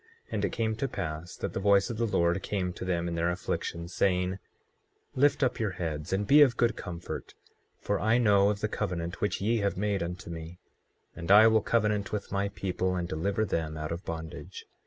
24:13 And it came to pass that the voice of the Lord came to them in their afflictions, saying: Lift up your heads and be of good comfort, for I know of the covenant which ye have made unto me; and I will covenant with my people and deliver them out of bondage.